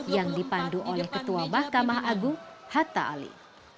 yang dipandu oleh ketua mahkamah agung hatta ali